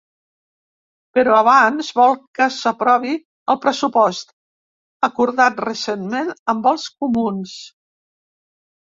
Però abans vol que s’aprovi el pressupost, acordat recentment amb els comuns.